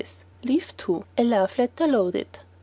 Leaf II. A Love Letter, Loaded.